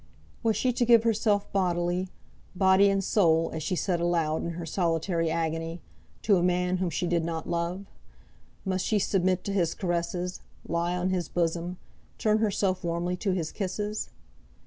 Was she to give herself bodily, body and soul, as she said aloud in her solitary agony, to a man whom she did not love? Must she submit to his caresses, lie on his bosom, turn herself warmly to his kisses?